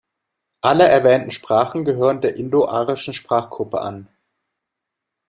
Alle erwähnten Sprachen gehören der indoarischen Sprachgruppe an.